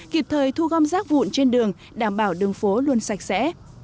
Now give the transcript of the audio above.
kịp thời thu gom rác vụn trên đường đảm bảo đường phố luôn sạch sẽ